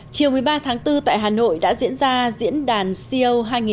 chiều một mươi ba tháng bốn tại hà nội đã diễn ra diễn đàn co hai nghìn một mươi chín